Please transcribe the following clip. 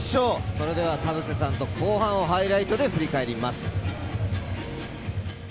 それでは田臥さんと後半をハイライトで振り返ります。